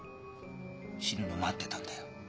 死ぬの待ってたんだよ。